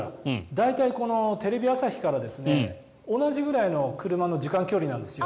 大体このテレビ朝日から同じぐらいの車の時間の距離なんですよ。